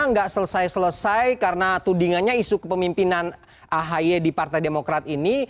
nggak selesai selesai karena tudingannya isu kepemimpinan ahy di partai demokrat ini